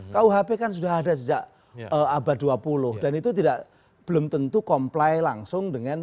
kuhp kan sudah ada sejak abad dua puluh dan itu tidak belum tentu comply langsung dengan